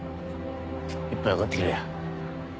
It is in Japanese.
一杯おごってくれよ。